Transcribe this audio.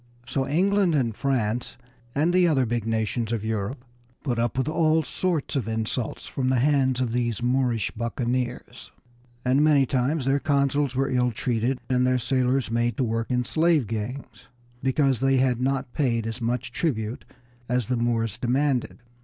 So England and France, and the other big nations of Europe, put up with all sorts of insults at the hands of these Moorish buccaneers, and many times their consuls were ill treated and their sailors made to work in slave gangs because they had not paid as much tribute as the Moors demanded.